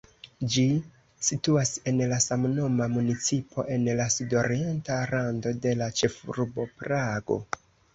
Ĝi situas en la samnoma municipo en la sudorienta rando de la ĉefurbo Prago.